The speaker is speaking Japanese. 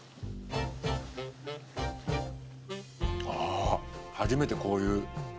ああ初めてこういう。